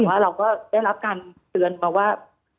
แต่ว่าเราก็ได้รับการเตือนมาว่า